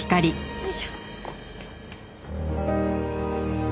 よいしょ。